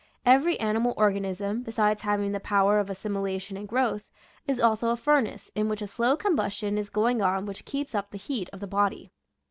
Every animal organism, besides having the power of as similation and growth, is also a furnace in which a slow combustion is going on which keeps up the heat of the body.